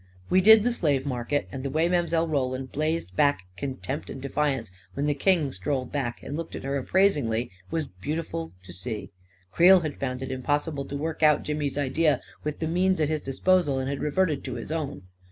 We did the slave market, and the way Mile. Roland blazed back contempt and defiance when the king strolled past and looked at her appraisingly was beautiful to see. (Creel had found it impos sible to work out Jimmy's idea with the means at his disposal, and had reverted to his own.)